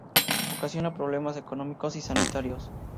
Ocasiona problemas económicos y sanitarios.